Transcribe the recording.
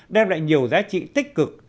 đem lại nhiều giá trị tích cực